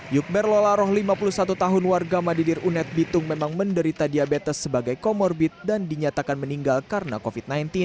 yukber lola roh lima puluh satu tahun warga madidir unet bitung memang menderita diabetes sebagai comorbid dan dinyatakan meninggal karena covid sembilan belas